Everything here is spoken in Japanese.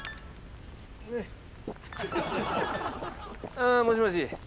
ああもしもし。